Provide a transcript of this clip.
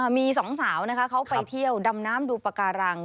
มีสองสาวนะคะเขาไปเที่ยวดำน้ำดูปากการัง